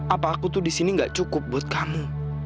apa aku tuh disini gak cukup buat kamu